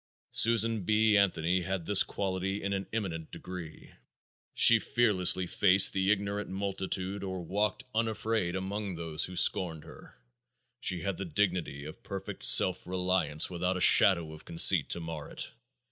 Susan B. Anthony had this quality in an eminent degree. She fearlessly faced the ignorant multitude or walked unafraid among those who scorned her. She had the dignity of perfect self reliance without a shadow of conceit to mar it.